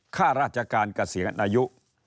ข้าราชการเกษียณอายุ